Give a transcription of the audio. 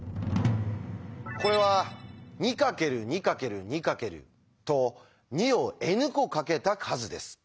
これは２×２×２×と２をｎ個かけた数です。